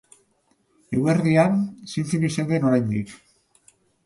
Eguerdian, zintzilik zeuden oraindik.